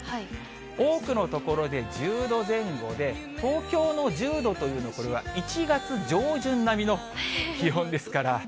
多くの所で１０度前後で、東京の１０度というのは、これは１月上旬並みの気温ですから。